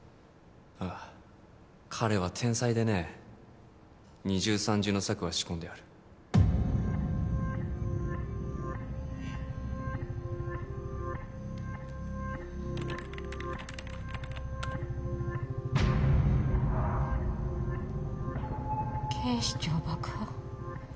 ああ彼は天才でね二重三重の策は仕込んである警視庁爆破？